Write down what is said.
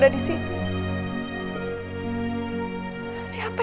tapi harus maarah